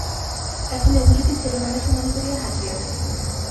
এখন এগুলিকে ছেলেমানুষি মনে করিয়া হাসিয়া থাকি।